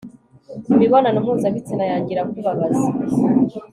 Imibonano mpuzabitsina yanjye irakubabaza